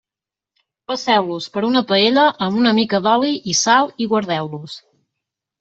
Passeu-los per una paella amb una mica d'oli i sal i guardeu-los.